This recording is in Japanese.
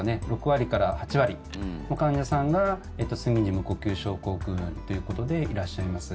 ６割から８割の患者さんが睡眠時無呼吸症候群ということでいらっしゃいます。